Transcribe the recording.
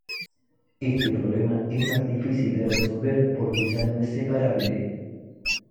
Este problema es más difícil de resolver porque ya no es separable.